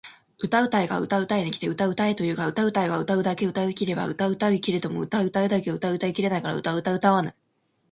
歌うたいが歌うたいに来て歌うたえと言うが歌うたいが歌うたうだけうたい切れば歌うたうけれども歌うたいだけ歌うたい切れないから歌うたわぬ！？